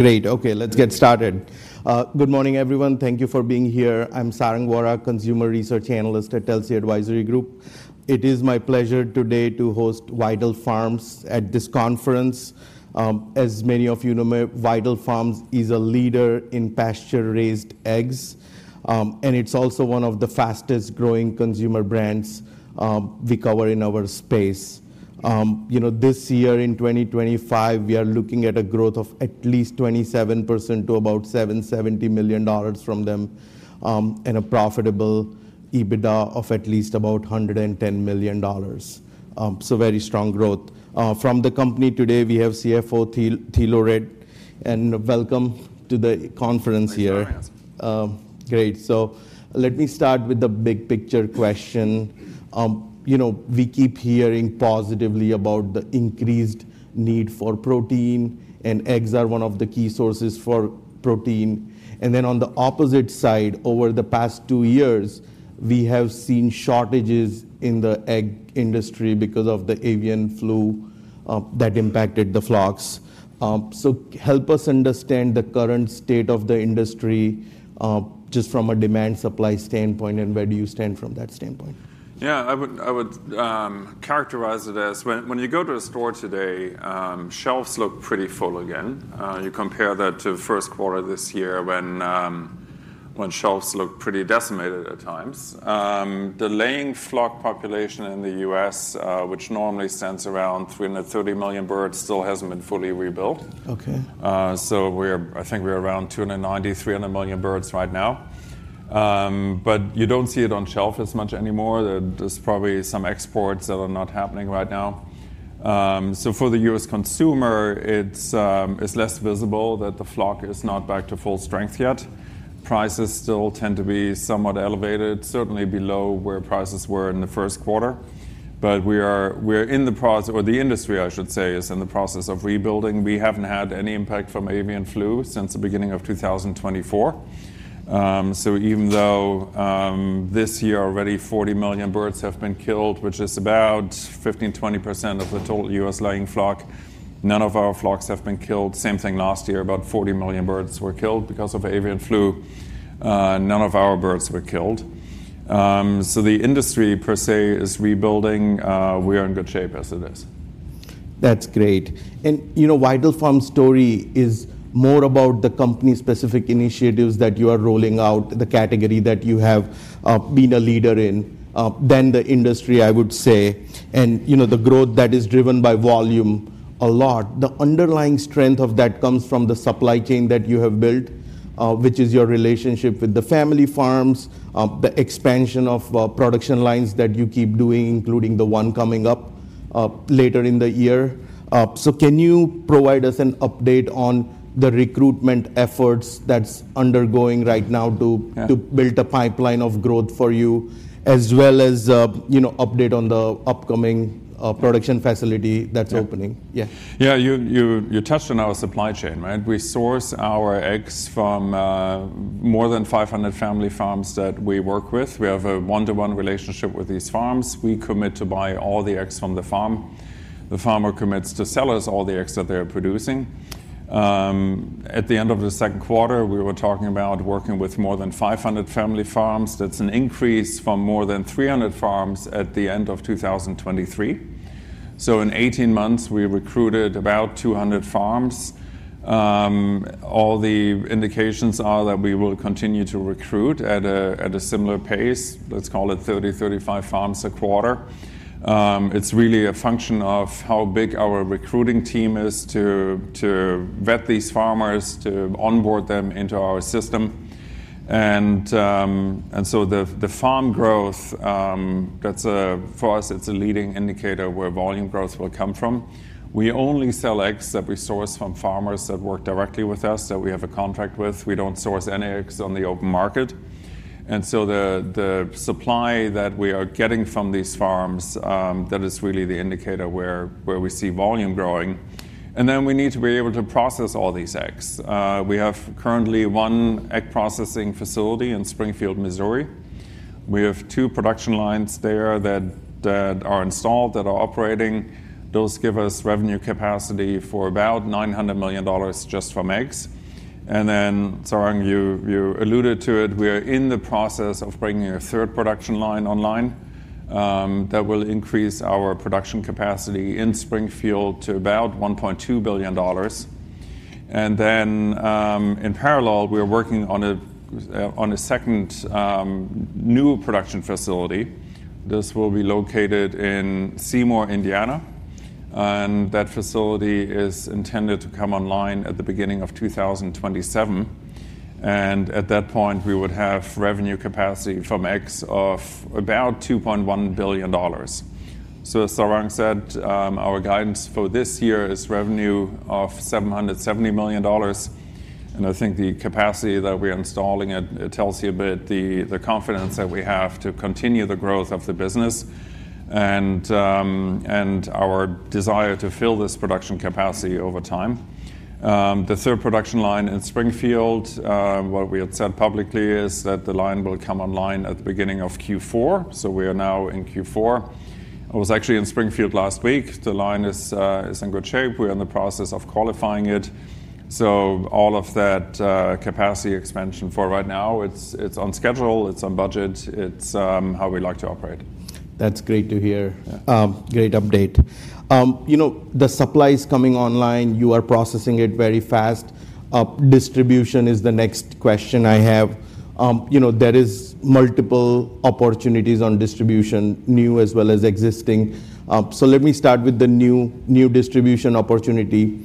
Great. Okay, let's get started. Good morning, everyone. Thank you for being here. I'm Sarang Vora, Consumer Research Analyst at Telsey Advisory Group. It is my pleasure today to host Vital Farms at this conference. As many of you know, Vital Farms is a leader in pasture-raised eggs, and it's also one of the fastest growing consumer brands we cover in our space. You know, this year in 2025, we are looking at a growth of at least 27% to about $770 million from them, and a profitable EBITDA of at least about $110 million. Very strong growth. From the company today, we have CFO Thilo Wrede, and welcome to the conference here. Thank you. Great. Let me start with the big picture question. You know, we keep hearing positively about the increased need for protein, and eggs are one of the key sources for protein. On the opposite side, over the past two years, we have seen shortages in the egg industry because of the avian flu that impacted the flocks. Help us understand the current state of the industry, just from a demand-supply standpoint, and where do you stand from that standpoint? I would characterize it as when you go to a store today, shelves look pretty full again. You compare that to the first quarter of this year when shelves looked pretty decimated at times. The laying flock population in the U.S. which normally stands around 330 million birds, still hasn't been fully rebuilt. Okay. I think we're around 290 million, 300 million birds right now. You don't see it on shelf as much anymore. There's probably some exports that are not happening right now. For the U.S. consumer, it's less visible that the flock is not back to full strength yet. Prices still tend to be somewhat elevated, certainly below where prices were in the first quarter. The industry, I should say, is in the process of rebuilding. We haven't had any impact from avian flu since the beginning of 2024. Even though this year already 40 million birds have been killed, which is about 15%-20% of the total U.S. laying flock, none of our flocks have been killed. Same thing last year, about 40 million birds were killed because of avian flu. None of our birds were killed. The industry per se is rebuilding. We are in good shape as it is. That's great. You know, Vital Farms' story is more about the company-specific initiatives that you are rolling out, the category that you have been a leader in, than the industry, I would say. The growth that is driven by volume a lot. The underlying strength of that comes from the supply chain that you have built, which is your relationship with the family farms, the expansion of production lines that you keep doing, including the one coming up later in the year. Can you provide us an update on the recruitment efforts that's undergoing right now to build a pipeline of growth for you, as well as an update on the upcoming production facility that's opening? Yeah, yeah, you touched on our supply chain, right? We source our eggs from more than 500 family farms that we work with. We have a one-to-one relationship with these farms. We commit to buy all the eggs from the farm. The farmer commits to sell us all the eggs that they're producing. At the end of the second quarter, we were talking about working with more than 500 family farms. That's an increase from more than 300 farms at the end of 2023. In 18 months, we recruited about 200 farms. All the indications are that we will continue to recruit at a similar pace. Let's call it 30, 35 farms a quarter. It's really a function of how big our recruiting team is to vet these farmers, to onboard them into our system. The farm growth, that's for us, it's a leading indicator where volume growth will come from. We only sell eggs that we source from farmers that work directly with us, that we have a contract with. We don't source any eggs on the open market. The supply that we are getting from these farms, that is really the indicator where we see volume growing. We need to be able to process all these eggs. We have currently one egg processing facility in Springfield, Missouri. We have two production lines there that are installed, that are operating. Those give us revenue capacity for about $900 million just from eggs. Sarang, you alluded to it, we are in the process of bringing a third production line online that will increase our production capacity in Springfield to about $1.2 billion. In parallel, we're working on a second, new production facility. This will be located in Seymour, Indiana. That facility is intended to come online at the beginning of 2027. At that point, we would have revenue capacity from eggs of about $2.1 billion. As Sarang said, our guidance for this year is revenue of $770 million. I think the capacity that we're installing, it tells you a bit the confidence that we have to continue the growth of the business and our desire to fill this production capacity over time. The third production line in Springfield, what we had said publicly is that the line will come online at the beginning of Q4. We are now in Q4. I was actually in Springfield last week. The line is in good shape. We're in the process of qualifying it. All of that capacity expansion for right now, it's on schedule, it's on budget, it's how we like to operate. That's great to hear. Great update. You know, the supply is coming online. You are processing it very fast. Distribution is the next question I have. You know, there are multiple opportunities on distribution, new as well as existing. Let me start with the new distribution opportunity.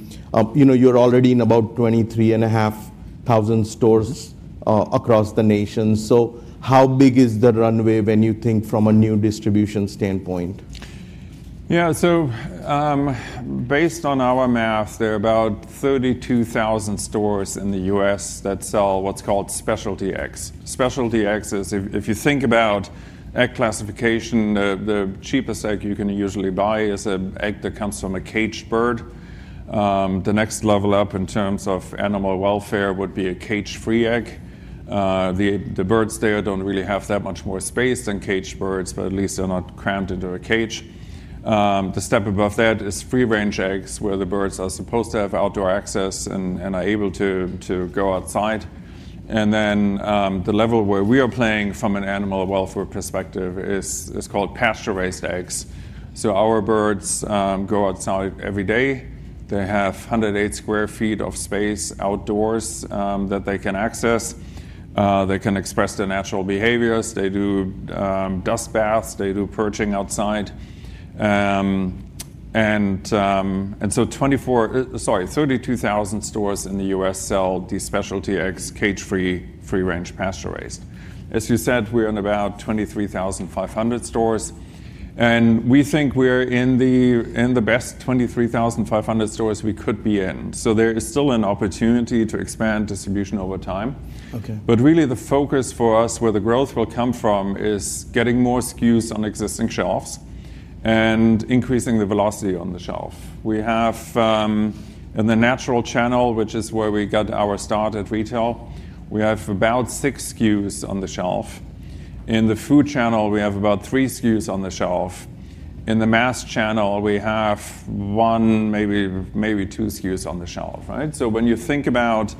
You know, you're already in about 23,500 stores across the nation. How big is the runway when you think from a new distribution standpoint? Yeah, so, based on our math, there are about 32,000 stores in the U.S. that sell what's called specialty eggs. Specialty eggs is, if you think about egg classification, the cheapest egg you can usually buy is an egg that comes from a caged bird. The next level up in terms of animal welfare would be a cage-free egg. The birds there don't really have that much more space than caged birds, but at least they're not crammed into a cage. The step above that is free-range eggs where the birds are supposed to have outdoor access and are able to go outside. The level where we are playing from an animal welfare perspective is called pasture-raised eggs. Our birds go outside every day. They have 108 sq ft of space outdoors that they can access. They can express their natural behaviors. They do dust baths. They do perching outside. So, 32,000 stores in the U.S. sell these specialty eggs: cage-free, free-range, pasture-raised. As we said, we're in about 23,500 stores, and we think we're in the best 23,500 stores we could be in. There is still an opportunity to expand distribution over time. Okay. The focus for us, where the growth will come from, is getting more SKUs on existing shelves and increasing the velocity on the shelf. We have, in the natural channel, which is where we got our start at retail, about six SKUs on the shelf. In the food channel, we have about three SKUs on the shelf. In the mass channel, we have one, maybe two SKUs on the shelf, right? When you think about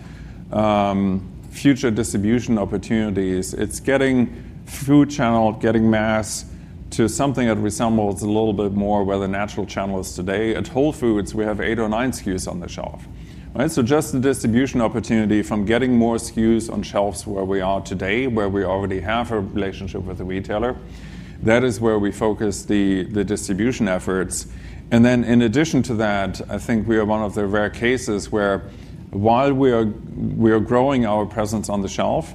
future distribution opportunities, it's getting food channel and mass to something that resembles a little bit more where the natural channel is today. At Whole Foods, we have eight or nine SKUs on the shelf, right? The distribution opportunity from getting more SKUs on shelves where we are today, where we already have a relationship with the retailer, is where we focus the distribution efforts. In addition to that, I think we are one of the rare cases where, while we are growing our presence on the shelf,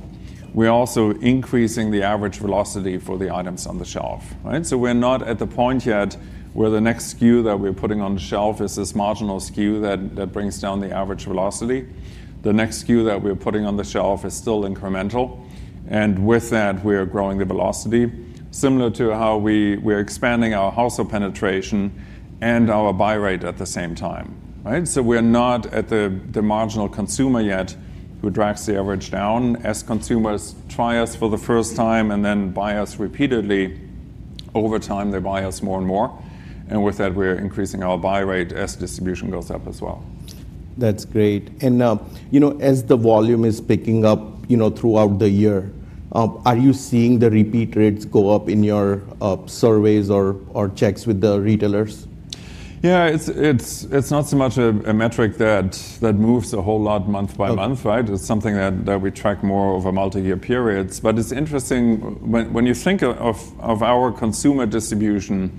we are also increasing the average velocity for the items on the shelf, right? We're not at the point yet where the next SKU that we're putting on the shelf is this marginal SKU that brings down the average velocity. The next SKU that we're putting on the shelf is still incremental. With that, we are growing the velocity similar to how we're expanding our household penetration and our buy rate at the same time, right? We're not at the marginal consumer yet who drags the average down. As consumers try us for the first time and then buy us repeatedly, over time, they buy us more and more. With that, we're increasing our buy rate as distribution goes up as well. That's great. As the volume is picking up throughout the year, are you seeing the repeat rates go up in your surveys or checks with the retailers? Yeah, it's not so much a metric that moves a whole lot month by month, right? It's something that we track more over multi-year periods. It's interesting when you think of our consumer distribution.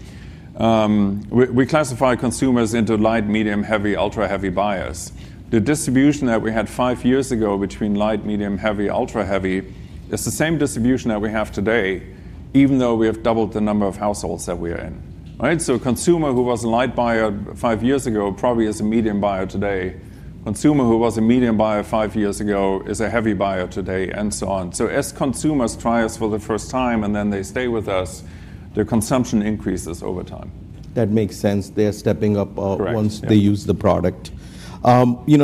We classify consumers into light, medium, heavy, ultra-heavy buyers. The distribution that we had five years ago between light, medium, heavy, ultra-heavy is the same distribution that we have today, even though we have doubled the number of households that we are in, right? A consumer who was a light buyer five years ago probably is a medium buyer today. A consumer who was a medium buyer five years ago is a heavy buyer today, and so on. As consumers try us for the first time and then they stay with us, the consumption increases over time. That makes sense. They're stepping up once they use the product.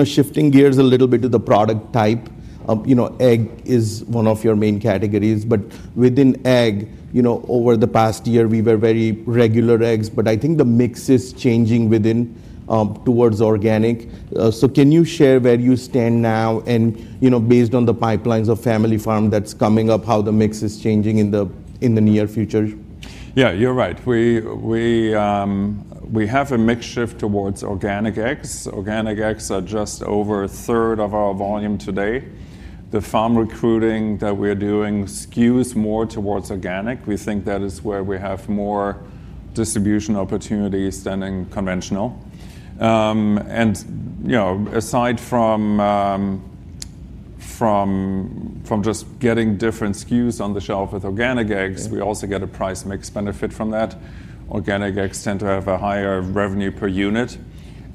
Shifting gears a little bit to the product type, egg is one of your main categories. Within egg, over the past year, we were very regular eggs, but I think the mix is changing within, towards organic. Can you share where you stand now and, based on the pipelines of family farm that's coming up, how the mix is changing in the near future? Yeah, you're right. We have a mix shift towards organic eggs. Organic eggs are just over a third of our volume today. The farm recruiting that we're doing skews more towards organic. We think that is where we have more distribution opportunities than in conventional. Aside from just getting different SKUs on the shelf with organic eggs, we also get a price/mix benefit from that. Organic eggs tend to have a higher revenue per unit.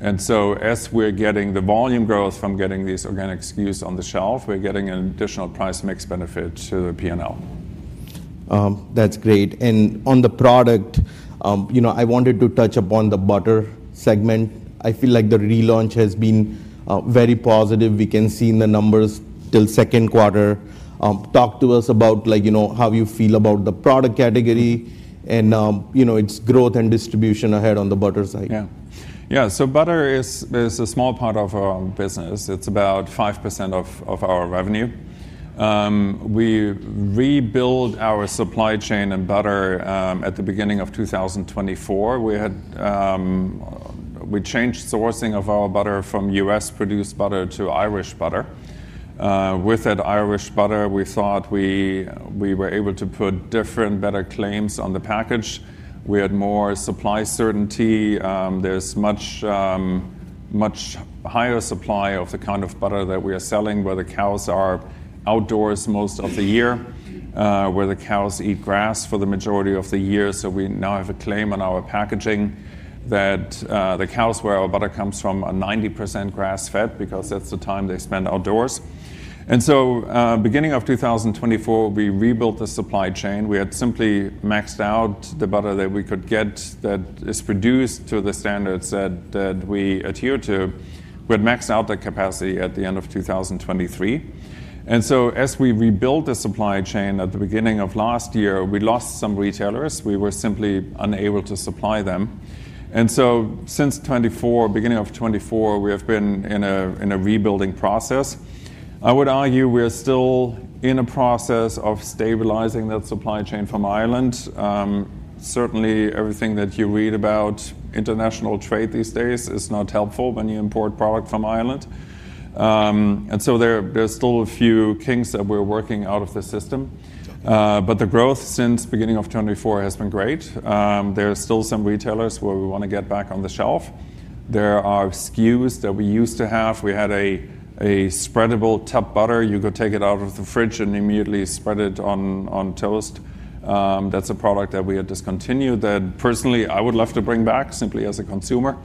As we're getting the volume growth from getting these organic SKUs on the shelf, we're getting an additional price/mix benefit to the P&L. That's great. On the product, I wanted to touch upon the butter segment. I feel like the relaunch has been very positive. We can see in the numbers till second quarter. Talk to us about how you feel about the product category and its growth and distribution ahead on the butter side. Yeah. Yeah. So butter is a small part of our business. It's about 5% of our revenue. We rebuilt our supply chain in butter at the beginning of 2024. We changed sourcing of our butter from U.S.-produced butter to Irish butter. With that Irish butter, we thought we were able to put different, better claims on the package. We had more supply certainty. There's much, much higher supply of the kind of butter that we are selling where the cows are outdoors most of the year, where the cows eat grass for the majority of the year. We now have a claim on our packaging that the cows where our butter comes from are 90% grass-fed because that's the time they spend outdoors. At the beginning of 2024, we rebuilt the supply chain. We had simply maxed out the butter that we could get that is produced to the standards that we adhere to. We had maxed out the capacity at the end of 2023. As we rebuilt the supply chain at the beginning of last year, we lost some retailers. We were simply unable to supply them. Since 2024, beginning of 2024, we have been in a rebuilding process. I would argue we're still in a process of stabilizing that supply chain from Ireland. Certainly everything that you read about international trade these days is not helpful when you import product from Ireland, and so there are still a few kinks that we're working out of the system. The growth since the beginning of 2024 has been great. There are still some retailers where we want to get back on the shelf. There are SKUs that we used to have. We had a spreadable tub butter. You could take it out of the fridge and immediately spread it on toast. That's a product that we had discontinued that personally I would love to bring back simply as a consumer.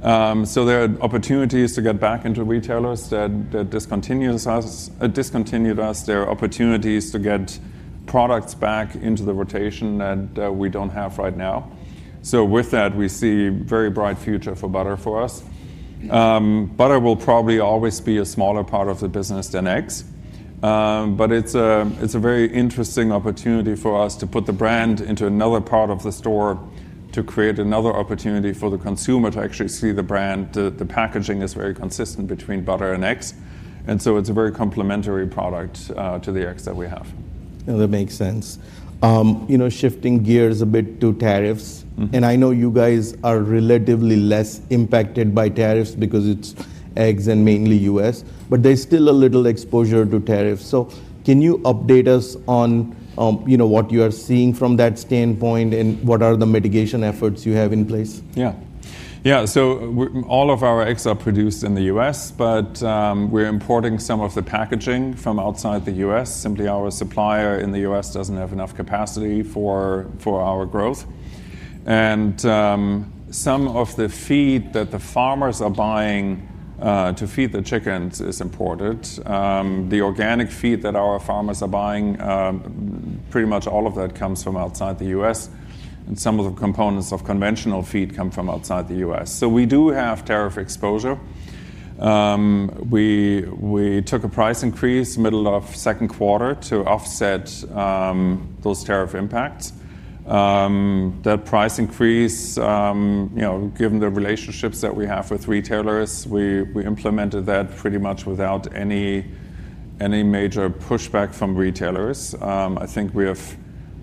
There are opportunities to get back into retailers that discontinued us, there are opportunities to get products back into the rotation that we don't have right now. With that, we see a very bright future for butter for us. Butter will probably always be a smaller part of the business than eggs, but it's a very interesting opportunity for us to put the brand into another part of the store to create another opportunity for the consumer to actually see the brand. The packaging is very consistent between butter and eggs, and so it's a very complementary product to the eggs that we have. No, that makes sense. You know, shifting gears a bit to tariffs. I know you guys are relatively less impacted by tariffs because it's eggs and mainly U.S. but there's still a little exposure to tariffs. Can you update us on what you are seeing from that standpoint and what are the mitigation efforts you have in place? Yeah. Yeah. All of our eggs are produced in the U.S. but we're importing some of the packaging from outside the U.S. Simply, our supplier in the U.S. doesn't have enough capacity for our growth. Some of the feed that the farmers are buying to feed the chickens is imported. The organic feed that our farmers are buying, pretty much all of that comes from outside the U.S. and some of the components of conventional feed come from outside the U.S. We do have tariff exposure. We took a price increase in the middle of the second quarter to offset those tariff impacts. That price increase, you know, given the relationships that we have with retailers, we implemented that pretty much without any major pushback from retailers. I think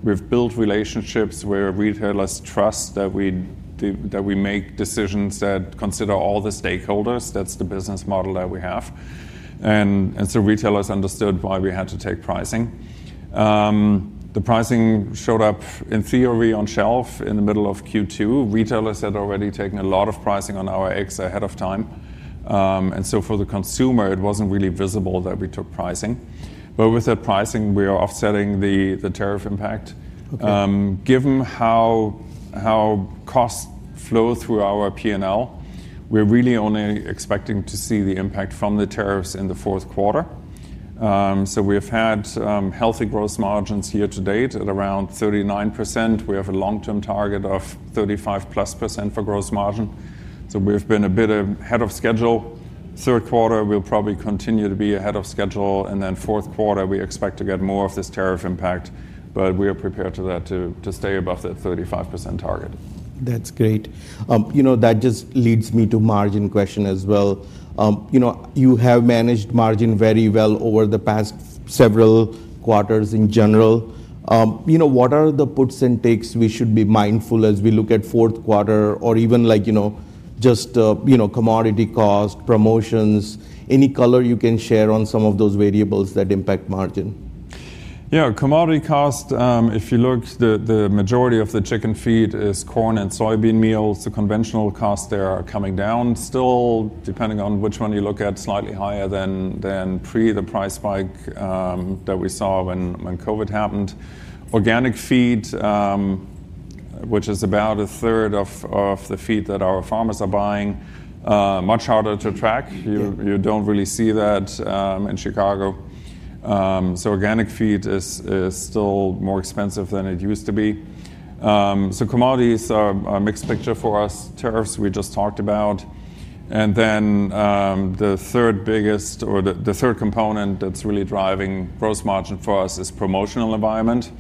we've built relationships where retailers trust that we make decisions that consider all the stakeholders. That's the business model that we have, and retailers understood why we had to take pricing. The pricing showed up in theory on shelf in the middle of Q2. Retailers had already taken a lot of pricing on our eggs ahead of time, and for the consumer, it wasn't really visible that we took pricing. With that pricing, we are offsetting the tariff impact. Given how costs flow through our P&L, we're really only expecting to see the impact from the tariffs in the fourth quarter. We have had healthy gross margins year to date at around 39%. We have a long-term target of 35%+ for gross margin. We've been a bit ahead of schedule. Third quarter, we'll probably continue to be ahead of schedule. In the fourth quarter, we expect to get more of this tariff impact. We are prepared to stay above that 35% target. That's great. You know, that just leads me to the margin question as well. You know, you have managed margin very well over the past several quarters in general. You know, what are the puts and takes we should be mindful of as we look at the fourth quarter or even like, you know, just, you know, commodity cost, promotions, any color you can share on some of those variables that impact margin? Yeah, commodity cost, if you look, the majority of the chicken feed is corn and soybean meals. The conventional costs there are coming down still, depending on which one you look at, slightly higher than pre the price spike that we saw when COVID happened. Organic feed, which is about a third of the feed that our farmers are buying, much harder to track. You don't really see that in Chicago. Organic feed is still more expensive than it used to be. Commodities are a mixed picture for us. Tariffs we just talked about. The third biggest or the third component that's really driving gross margin for us is the promotional environment.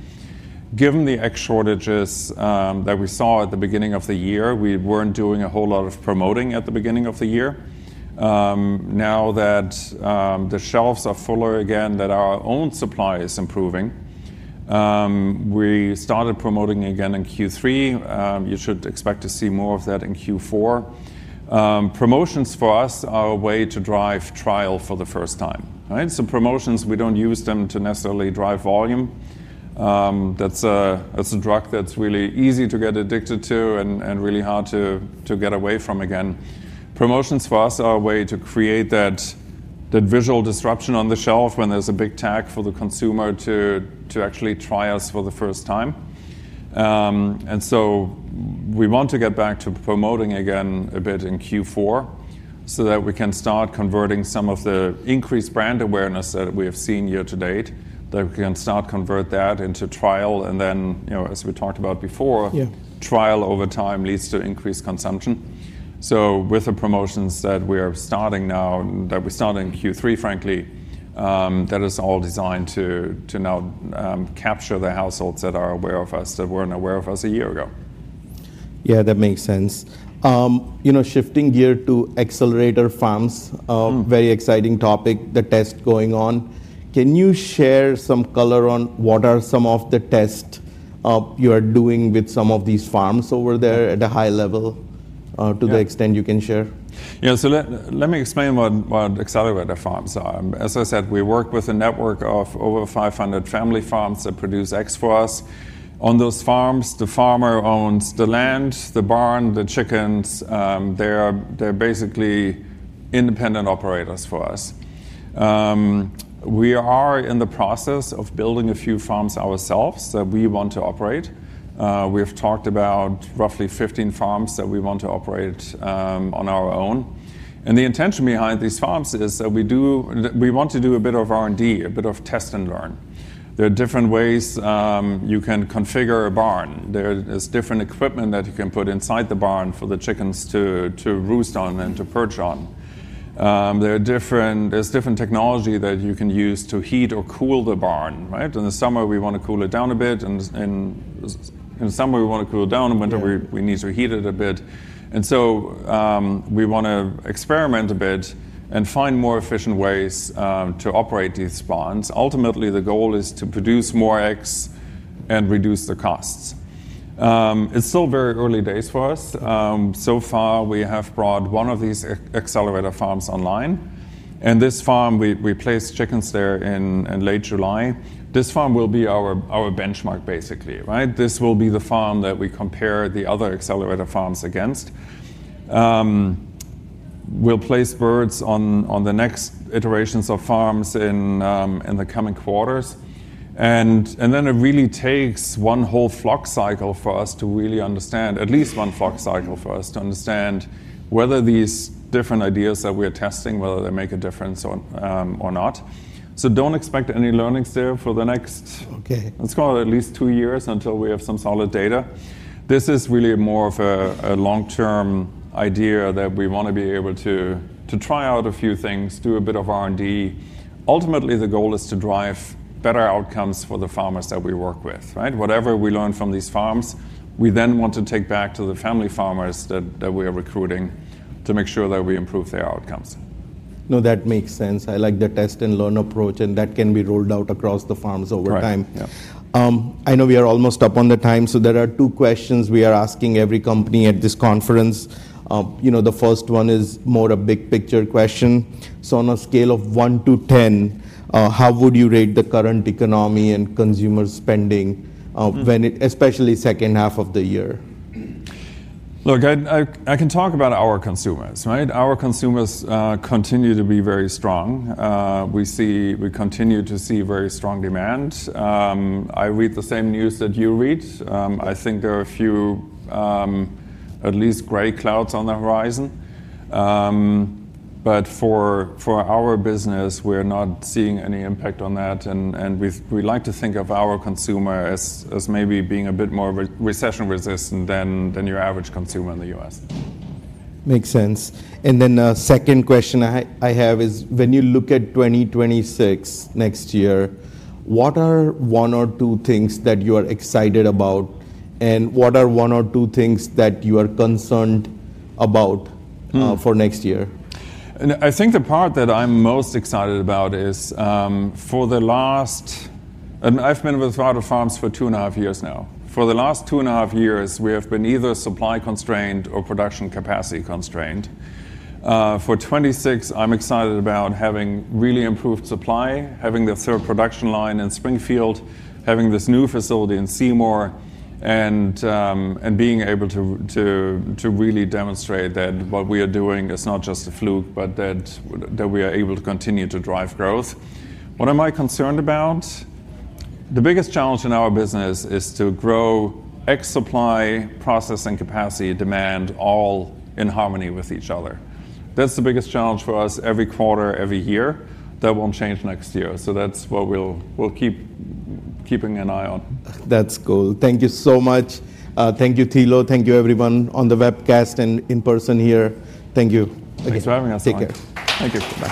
Given the egg shortages that we saw at the beginning of the year, we weren't doing a whole lot of promoting at the beginning of the year. Now that the shelves are fuller again, that our own supply is improving, we started promoting again in Q3. You should expect to see more of that in Q4. Promotions for us are a way to drive trial for the first time. Right? Promotions, we don't use them to necessarily drive volume. That's a drug that's really easy to get addicted to and really hard to get away from again. Promotions for us are a way to create that visual disruption on the shelf when there's a big tag for the consumer to actually try us for the first time. We want to get back to promoting again a bit in Q4 so that we can start converting some of the increased brand awareness that we have seen year to date, that we can start to convert that into trial. As we talked about before, trial over time leads to increased consumption. With the promotions that we are starting now, that we started in Q3, frankly, that is all designed to now capture the households that are aware of us, that weren't aware of us a year ago. Yeah, that makes sense. You know, shifting gear to accelerator farms, very exciting topic, the test going on. Can you share some color on what are some of the tests you are doing with some of these farms over there at a high level, to the extent you can share? Yeah, let me explain what accelerator farms are. As I said, we work with a network of over 500 family farms that produce eggs for us. On those farms, the farmer owns the land, the barn, the chickens. They're basically independent operators for us. We are in the process of building a few farms ourselves that we want to operate. We've talked about roughly 15 farms that we want to operate on our own. The intention behind these farms is that we want to do a bit of R&D, a bit of test and learn. There are different ways you can configure a barn. There is different equipment that you can put inside the barn for the chickens to roost on and to perch on. There is different technology that you can use to heat or cool the barn, right? In the summer, we want to cool it down a bit, and whenever we need to heat it a bit. We want to experiment a bit and find more efficient ways to operate these barns. Ultimately, the goal is to produce more eggs and reduce the costs. It's still very early days for us. So far, we have brought one of these accelerator farms online. We placed chickens there in late July. This farm will be our benchmark, basically, right? This will be the farm that we compare the other accelerator farms against. We'll place birds on the next iterations of farms in the coming quarters. It really takes one whole flock cycle for us to really understand, at least one flock cycle for us to understand whether these different ideas that we are testing, whether they make a difference or not. Don't expect any learnings there for the next, okay, let's call it at least two years until we have some solid data. This is really more of a long-term idea that we want to be able to try out a few things, do a bit of R&D. Ultimately, the goal is to drive better outcomes for the farmers that we work with, right? Whatever we learn from these farms, we then want to take back to the family farmers that we are recruiting to make sure that we improve their outcomes. No, that makes sense. I like the test and learn approach, and that can be rolled out across the farms over time. Yeah. I know we are almost up on the time, so there are two questions we are asking every company at this conference. The first one is more a big picture question. On a scale of 1-10, how would you rate the current economy and consumer spending, especially in the second half of the year? Look, I can talk about our consumers, right? Our consumers continue to be very strong. We continue to see very strong demand. I read the same news that you read. I think there are a few, at least gray clouds on the horizon. For our business, we're not seeing any impact on that. We like to think of our consumer as maybe being a bit more recession resistant than your average consumer in the U.S. Makes sense. The second question I have is when you look at 2026 next year, what are one or two things that you are excited about and what are one or two things that you are concerned about for next year? I think the part that I'm most excited about is, for the last, and I've been with Vital Farms for two and a half years now. For the last two and a half years, we have been either supply constrained or production capacity constrained. For 2026, I'm excited about having really improved supply, having the third production line in Springfield, having this new facility in Seymour, and being able to really demonstrate that what we are doing is not just a fluke, but that we are able to continue to drive growth. What am I concerned about? The biggest challenge in our business is to grow egg supply, processing capacity, demand, all in harmony with each other. That's the biggest challenge for us every quarter, every year. That won't change next year. That's what we'll keep keeping an eye on. That's cool. Thank you so much. Thank you, Thilo. Thank you, everyone on the webcast and in person here. Thank you. Thanks for having us. Take care. Thank you.